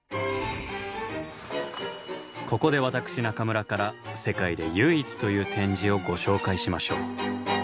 ここで私中村から世界で唯一という展示をご紹介しましょう。